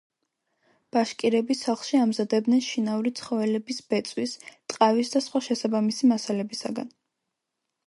ბაშკირები სახლში ამზადებდნენ შინაური ცხოველების ბეწვის, ტყავის და სხვა შესაბამისი მასალებისაგან.